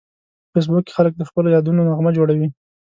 په فېسبوک کې خلک د خپلو یادونو نغمه جوړوي